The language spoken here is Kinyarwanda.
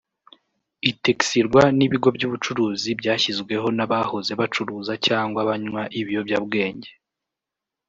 Utexirwa n’ibigo by’ubucuruzi byashyizweho n’abahoze bacuruza cyangwa banywa ibiyobyabwenge